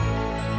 kamu gak denger ya